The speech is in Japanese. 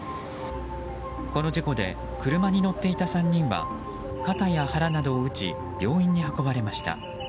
この事故で車に乗っていた３人は肩や腹などを打ち病院に運ばれました。